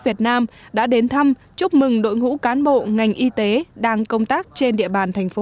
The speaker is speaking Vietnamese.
việt nam đã đến thăm chúc mừng đội ngũ cán bộ ngành y tế đang công tác trên địa bàn thành phố